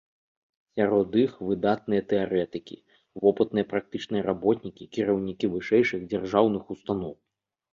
Сярод іх выдатныя тэарэтыкі, вопытныя практычныя работнікі, кіраўнікі вышэйшых дзяржаўных устаноў.